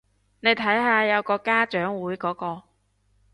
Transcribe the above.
你睇下有個家長會嗰個